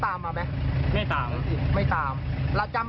กับคุณเนติชา